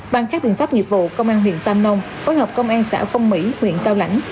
bằng các biện pháp nghiệp vụ công an huyện tam nông phối hợp công an xã phong mỹ huyện cao lãnh